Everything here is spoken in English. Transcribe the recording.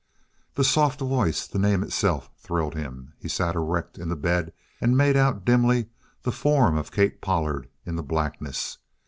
The soft voice, the name itself, thrilled him. He sat erect in the bed and made out, dimly, the form of Kate Pollard in the blackness.